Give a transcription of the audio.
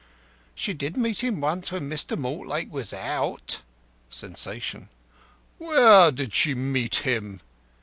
"She did meet him once when Mr. Mortlake was out." (Sensation.) "Where did she meet him?"